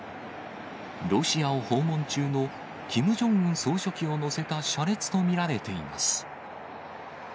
ロシアを訪問中のキム・ジョンウン総書記を乗せた車列と見られています。